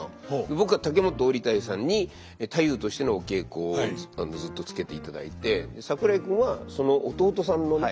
僕は竹本織太夫さんに太夫としてのお稽古をずっとつけていただいて桜井君はその弟さんのね。